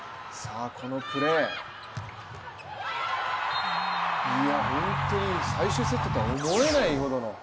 このプレー、本当に最終セットとは思えないほどの。